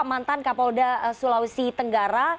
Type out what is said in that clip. mantan kapolda sulawesi tenggara